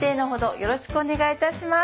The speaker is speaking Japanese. よろしくお願いします。